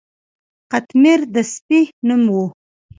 قطمیر د سپي نوم و.